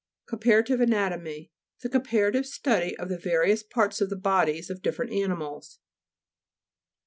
COMPARATIVE ANATOMY The com parative study of the various parts of the bodies of different animals.